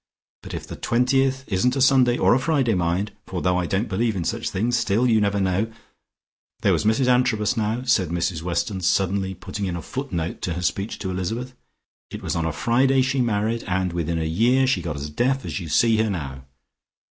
But if the 20th isn't a Sunday or a Friday mind, for though I don't believe in such things, still you never know ' There was Mrs Antrobus now," said Mrs Weston suddenly, putting in a footnote to her speech to Elizabeth, "it was on a Friday she married, and within a year she got as deaf as you see her now.